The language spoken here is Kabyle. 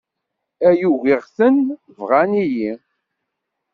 Ay ugiɣ-ten bɣan-iyi.